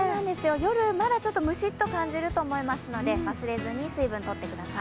夜、まだムシッと感じると思いますので忘れずに水分をとってください。